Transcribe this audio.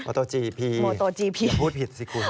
โมโตจีพีอย่าพูดผิดสิคุณ